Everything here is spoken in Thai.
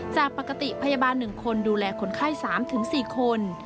จากปกติพยาบาล๑คนดูแลคนไข้๓๔คน